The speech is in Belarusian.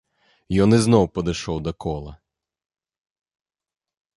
Ён ізноў падышоў да кола.